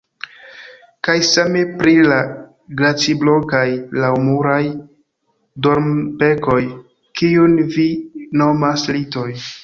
Kaj same pri la glaciblokaj laŭmuraj dormbenkoj, kiujn vi nomas litoj.